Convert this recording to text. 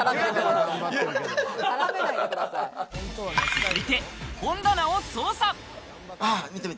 続いて本棚を捜査。